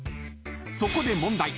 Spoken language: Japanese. ［そこで問題］